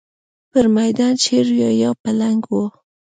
پر مېدان شېر و یا پلنګ و.